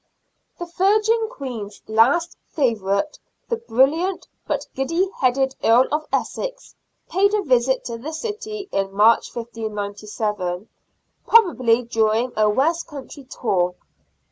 The Virgin Queen's last favourite, the brilliant but giddy headed Earl of Essex, paid a visit to the city in March, 1597, probably during a West country tour.